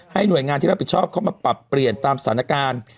หน่วยงานที่รับผิดชอบเข้ามาปรับเปลี่ยนตามสถานการณ์